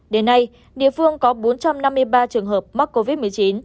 đến nay địa phương có bốn trăm năm mươi ba trường hợp mắc covid một mươi chín